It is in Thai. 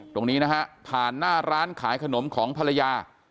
ตรงนี้นะฮะผ่านหน้าร้านขายขนมของภรรยา